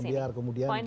biar kemudian kita